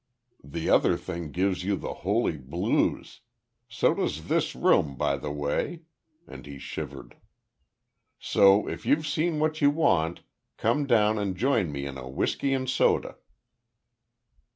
The other thing gives you the holy blues. So does this room by the way," and he shivered. "So if you've seen what you want, come down and join me in a whisky and soda."